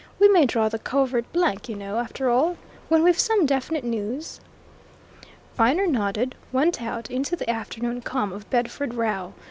"We may draw the covert blank, you know, after all. When we've some definite news " Viner nodded, went out, into the afternoon calm of Bedford Row.